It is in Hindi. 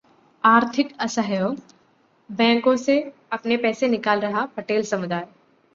आर्थिक असहयोग: बैंकों से अपने पैसे निकाल रहा पटेल समुदाय